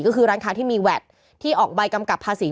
ก็คือร้านค้าที่มีแวดที่ออกใบกำกับภาษี